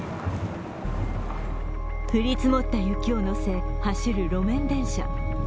降り積もった雪を乗せ、走る路面電車。